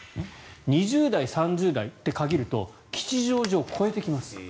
２０代、３０代に限ると吉祥寺を超えてきます。